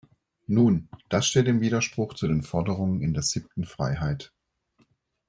Nun, das steht im Widerspruch zu den Forderungen in der siebten Freiheit.